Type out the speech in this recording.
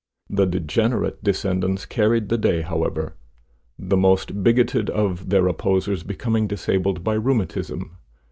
The degenerate descendants carried the day, however, the most bigoted of their opposers becoming disabled by rheumatism.